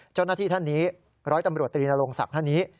เจ้าหน้าที่ท่านนี้ร้อยตำรวจตรีนรงศักดิ์ท่านนี้